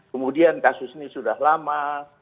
kemudian kasus ini sudah lama